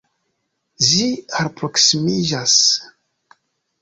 Ĝi alproksimiĝas.